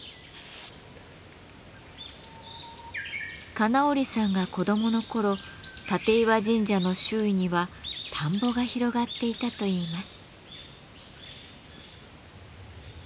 金折さんが子どもの頃立石神社の周囲には田んぼが広がっていたといいます。